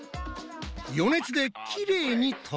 余熱できれいに溶けるぞ。